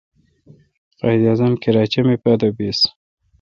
قائد اعظم کراچہ می پادو بیس۔